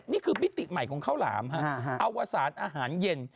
นี่คือพิติใหม่ของข้าวหลามฮะฮะเอาวัศาลอาหารเย็น